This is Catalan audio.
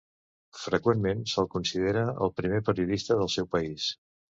Freqüentment se'l considera el primer periodista del seu país.